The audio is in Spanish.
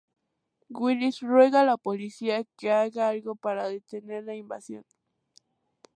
Welles ruega a la policía que haga algo para detener la invasión.